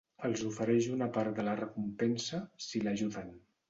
Els ofereix una part de la recompensa si l'ajuden.